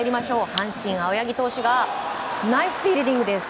阪神、青柳投手がナイスフィールディングです。